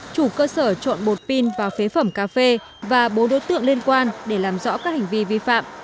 chủ cơ sở trộn bột pin vào phế phẩm cà phê và bố đối tượng liên quan để làm rõ các hành vi vi phạm